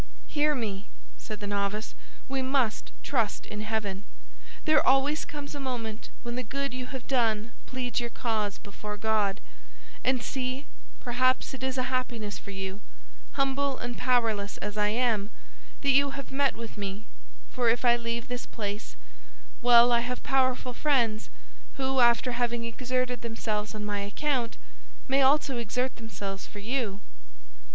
"Hear me," said the novice; "we must trust in heaven. There always comes a moment when the good you have done pleads your cause before God; and see, perhaps it is a happiness for you, humble and powerless as I am, that you have met with me, for if I leave this place, well—I have powerful friends, who, after having exerted themselves on my account, may also exert themselves for you."